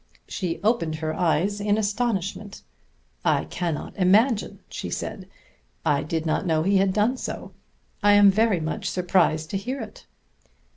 She opened her eyes in astonishment. "I cannot imagine," she said. "I did not know he had done so. I am very much surprised to hear it."